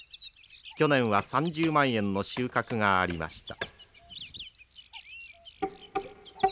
去年は３０万円の収穫がありました。